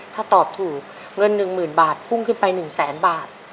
ถ้าตอบถูกเงิน๑๐๐๐บาทพุ่งขึ้นไป๑แสนบาท